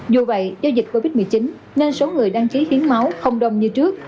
dù vậy do dịch covid một mươi chín nên số người đăng ký hiến máu không đông như trước